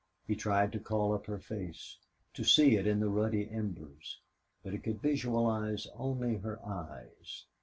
He tried to call up her face to see it in the ruddy embers. But he could visualize only her eyes.